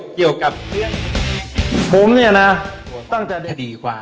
ครับกิวกับ